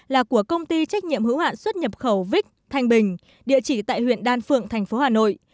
là của công ty trách nhiệm hữu hạn xuất nhập khẩu vích thanh bình địa chỉ tại huyện đan phượng thành phố hà nội